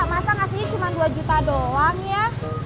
masa ngasihnya cuma dua juta doang ya